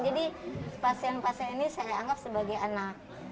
jadi pasien pasien ini saya anggap sebagai anak